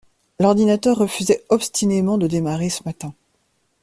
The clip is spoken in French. L'ordinateur refusait obstinément de démarrer ce matin.